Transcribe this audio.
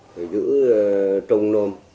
rồi giữ trông nôm